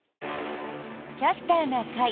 「キャスターな会」。